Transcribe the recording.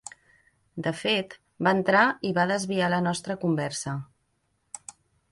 De fet, va entrar i va desviar la nostra conversa.